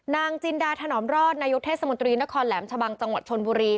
จินดาถนอมรอดนายกเทศมนตรีนครแหลมชะบังจังหวัดชนบุรี